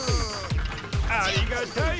ありがたい。